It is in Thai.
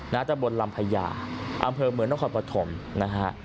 ตะบนลำพญาอำเภอเมืองนครปฐมนะฮะ